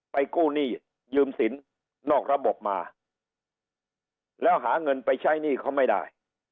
กู้หนี้ยืมสินนอกระบบมาแล้วหาเงินไปใช้หนี้เขาไม่ได้